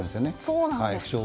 そうなんです。